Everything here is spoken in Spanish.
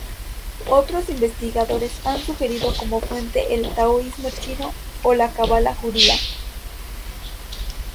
Otros investigadores han sugerido como fuente el taoísmo chino o la cábala judía.